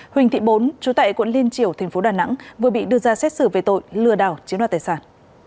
huỳnh thị bốn chú tại quận liên triểu tp đà nẵng vừa bị đưa ra xét xử về tội lừa đảo chiếm đoạt tài sản